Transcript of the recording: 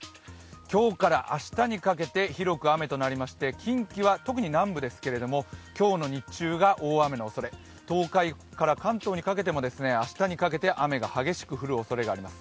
今日から明日にかけて広く雨となりまして近畿は特に南部ですけど、今日の日中が大雨のおそれ、東海から関東にかけても、明日にかけて雨が激しく降るおそれがあります。